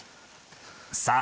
さあ